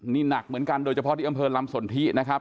นี่หนักเหมือนกันโดยเฉพาะที่อำเภอลำสนทินะครับ